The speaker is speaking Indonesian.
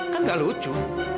kan gak lucu